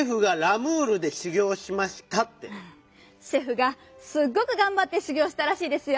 シェフがすっごくがんばってしゅぎょうしたらしいですよ。